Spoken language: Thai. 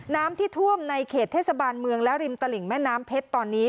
น้ำที่ท่วมในเขตเทศบาลเมืองและริมตลิ่งแม่น้ำเพชรตอนนี้